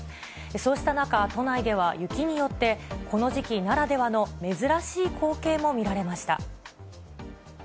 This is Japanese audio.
そうした中、都内では雪によって、この時期ならではの珍しい光景も見られました。